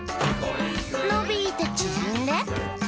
「のびてちぢんで」